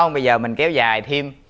bây giờ mình kéo dài thêm